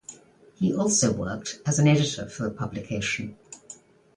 He also worked as an editor for the publication.